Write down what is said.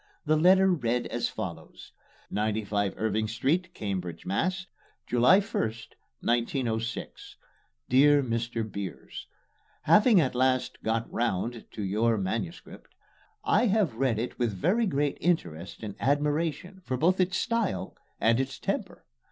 The letter read as follows: 95 IRVING ST., CAMBRIDGE, MASS. July 1, 1906. DEAR MR. BEERS: Having at last "got round" to your MS., I have read it with very great interest and admiration for both its style and its temper.